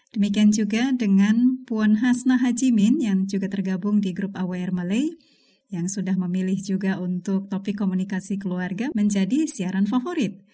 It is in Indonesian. demikian juga dengan puan hasnah hajimin yang juga tergabung di grup awr malay yang sudah memilih juga untuk topik komunikasi keluarga menjadi siaran favorit